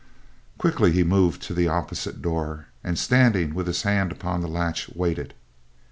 Quickly, he moved to the opposite door and, standing with his hand upon the latch, waited.